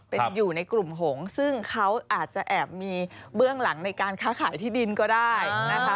เป็นอยู่ในกลุ่มหงษ์ซึ่งเขาอาจจะแอบมีเบื้องหลังในการค้าขายที่ดินก็ได้นะคะ